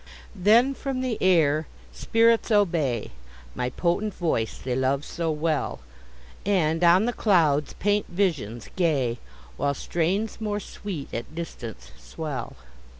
Then, from the air spirits obey My potent voice they love so well, And, on the clouds, paint visions gay, While strains more sweet at distance swell.